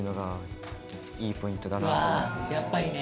ああやっぱりね。